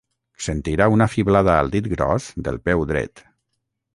Sentirà una fiblada al dit gros del peu dret.